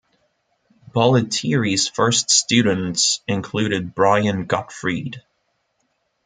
Bollettieri's first students included Brian Gottfried.